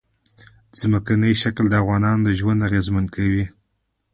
ځمکنی شکل د افغانانو ژوند اغېزمن کوي.